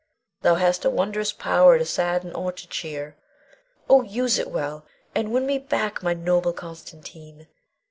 Thou hast a wondrous power to sadden or to cheer. Oh, use it well, and win me back my noble Constantine!